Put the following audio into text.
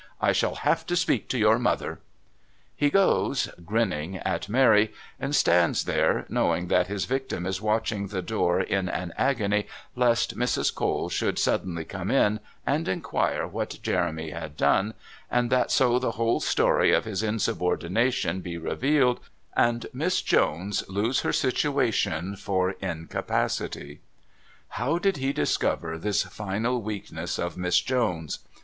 I shall have to speak to your mother!" He goes, grinning at Mary, and stands there knowing that his victim is watching the door in an agony lest Mrs. Cole should suddenly come in and inquire what Jeremy had done, and that so the whole story of his insubordination be revealed and Miss Jones lose her situation for incapacity. How did he discover this final weakness of Miss Jones?